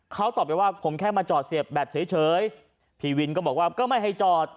เขาตอบไปว่าผมแค่มาจอดเสียบแบบเฉยพี่วินก็บอกว่าก็ไม่ให้จอด